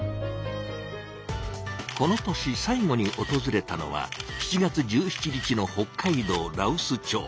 この年最後におとずれたのは７月１７日の北海道羅臼町。